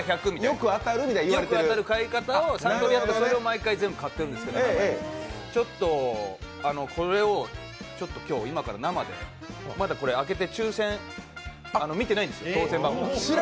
よく当たる買い方をして、それを毎回買ってるんですけど、ちょっとこれを今から生で、まだこれ明けて抽せん見てないんです、当せん番号。